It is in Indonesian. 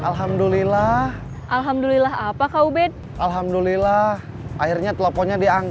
hati hati saat beroperasi jangan sampai ketahuan dan tergetat lagi terus kamu masuk penjara lagi